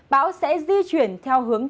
báo sẽ di chuyển theo hướng